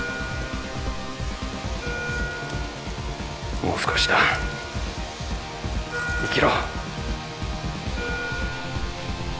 もう少しだ生きろ